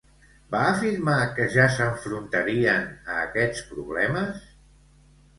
Va afirmar que ja s'enfrontarien a aquests problemes?